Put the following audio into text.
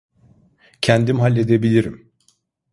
Kendim halledebilirim.